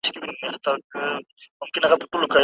موږ ډېر کله د څېړني میتودولوژي سمه نه په ګوته کوو.